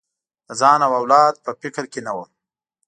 د ځان او اولاد په فکر کې نه وم.